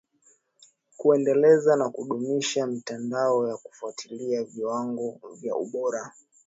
kuendeleza na kudumisha mitandao ya kufuatilia viwango vya ubora